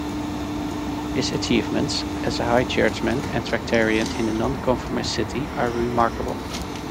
His achievements, as a High Churchman and Tractarian in a non-conformist city are remarkable.